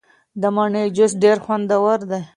د مڼې جوس ډیر خوندور دی.